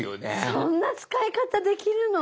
そんな使い方できるの！